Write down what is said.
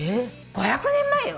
５００年前よ。